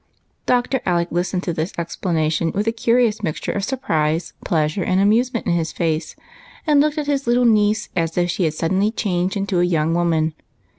Dr. Alec listened to this explanation with a curious mixture of surprise, pleasure, and amusement in his face, and looked at his little niece as if she had sud denly changed into a young woman.